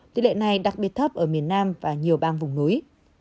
tỷ lệ này đặc biệt thấp ở miền nam và nhiều bang vùng núi